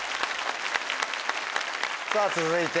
さぁ続いて。